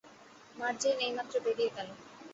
মার্জেইন এইমাত্র বেরিয়ে গেলো।